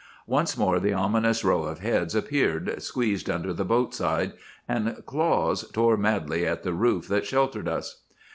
Once more the ominous row of heads appeared, squeezed under the boat side, and claws tore madly at the roof that sheltered us.